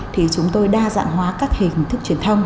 thì chúng tôi đa dạng hóa các hình thức truyền thông